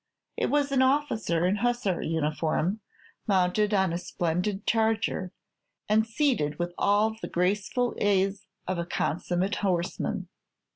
It was an officer in hussar uniform, mounted on a splendid charger, and seated with all the graceful ease of a consummate horseman.